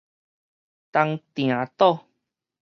東碇島